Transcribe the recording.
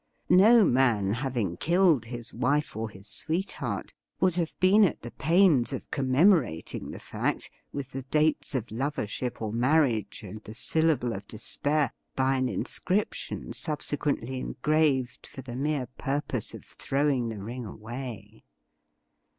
No man having killed his wife or his sweetheart would have been at the pains of commemorating the fact with the dates of lovership or marriage and the syllable of despair by an inscription subsequently engraved for the mere purpose of throwing the ring away.